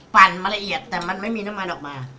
ปั่นมาละเอียดแต่มันไม่มีน้ำมันออกมา